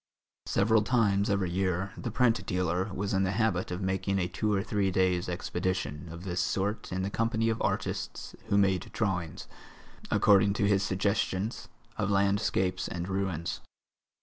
Several times every year the print dealer was in the habit of making a two or three days' expedition of this sort in the company of artists who made drawings, according to his suggestions, of landscapes and ruins.